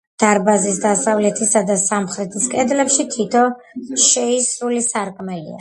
დარბაზის დასავლეთისა და სამხრეთის კედლებში თითო შეისრული სარკმელია.